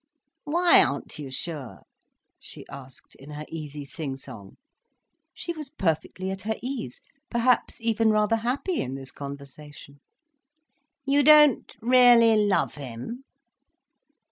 "Why aren't you sure?" she asked, in her easy sing song. She was perfectly at her ease, perhaps even rather happy in this conversation. "You don't really love him?"